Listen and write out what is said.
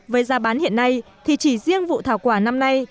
với giá bán hiện nay thì chỉ riêng vụ thảo quả năm nay